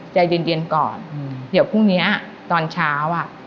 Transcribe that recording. ใจเย็นก่อนเดี๋ยวพรุ่งนี้ตอนเช้าอ่ะ